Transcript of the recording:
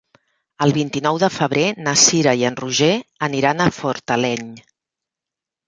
El vint-i-nou de febrer na Cira i en Roger aniran a Fortaleny.